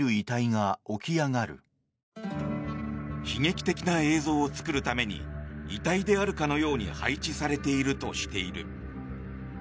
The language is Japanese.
悲劇的な映像を作るために遺体であるかのように配置されているとしている。